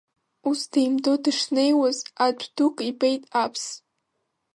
Ус деимдо дышнеиуаз, адә дук ибеит Аԥс.